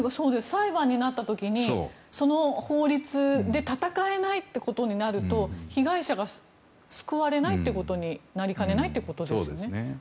裁判になった時にその法律で戦えないってことになると被害者が救われないということになりかねないということですね。